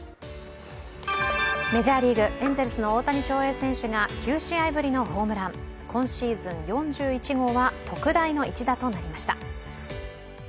メジャーリーグ、エンゼルスの大谷翔平選手が９試合ぶりのホームラン今シーズン４１号は特大の一打となりました。